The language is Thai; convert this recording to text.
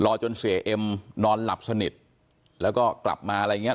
จนเสียเอ็มนอนหลับสนิทแล้วก็กลับมาอะไรอย่างเงี้